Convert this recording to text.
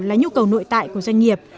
là nhu cầu nội tại của doanh nghiệp